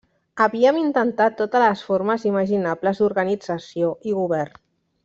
Havíem intentat totes les formes imaginables d'organització i govern.